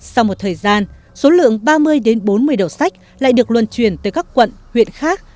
sau một thời gian số lượng ba mươi đến bốn mươi đầu sách lại được luân truyền tới các quận huyện khác